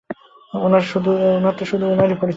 উনার তো শুধু উনার পরিচয় চাই।